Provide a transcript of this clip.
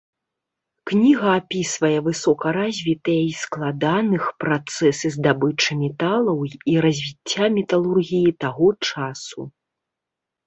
Кніга апісвае высокаразвітыя і складаных працэсы здабычы металаў і развіцця металургіі таго часу.